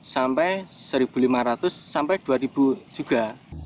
sampai dua juga